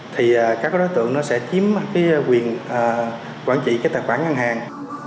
thì các đối tượng sẽ chiếm quyền quản trị tài khoản ngân hàng